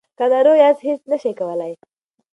که ناروغ یاست هیڅ نشئ کولای.